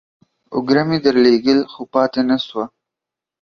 اوگره مې درلېږل ، خو پاته نسوه.